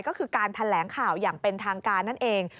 ก็คือการแถลงข่าวอย่างเป็นทางการนั่นเอง